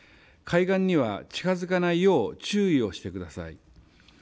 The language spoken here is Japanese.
海岸には近づかないよう注意をしてください。